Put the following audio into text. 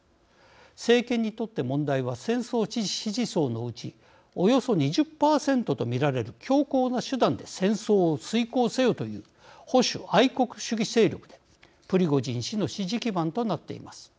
政権にとって問題は戦争支持層のうちおよそ２０％と見られる強硬な手段で戦争を遂行せよという保守愛国主義勢力でプリゴジン氏の支持基盤となっています。